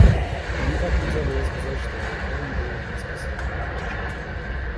Но никак нельзя было сказать, чтоб он был неспособный мальчик.